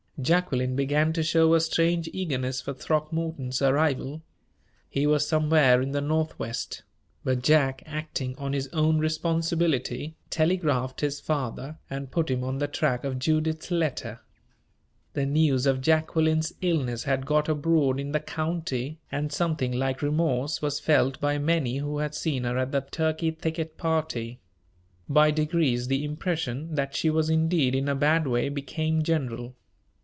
Jacqueline began to show a strange eagerness for Throckmorton's arrival. He was somewhere in the Northwest; but Jack, acting on his own responsibility, telegraphed his father, and put him on the track of Judith's letter. The news of Jacqueline's illness had got abroad in the county, and something like remorse was felt by many who had seen her at the Turkey Thicket party. By degrees the impression that she was indeed in a bad way became general.